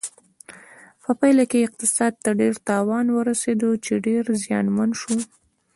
په پایله کې اقتصاد ته ډیر تاوان ورسېده چې ډېر زیانمن شو.